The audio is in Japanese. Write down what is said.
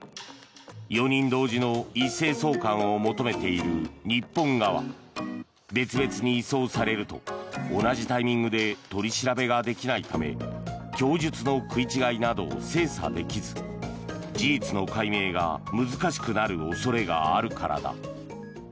４人同時の一斉送還を求めている日本側別々に移送されると同じタイミングで取り調べができないため供述の食い違いなどを精査できず事実の解明が難しくなる恐れがあるからだ。